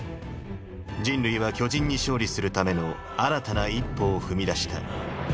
人類は巨人に勝利するための新たな一歩を踏み出した。